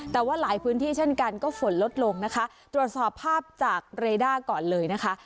แต่ว่าหลายพื้นที่เช่นกันก็ฝนลดลงนะคะตรวจสอบภาพจากเรด้าก่อนเลยนะคะ